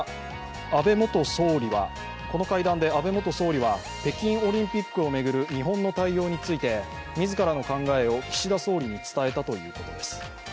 この会談で安倍元総理は北京オリンピックを巡る日本の対応について自らの考えを岸田総理に伝えたということです。